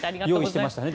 用意してましたね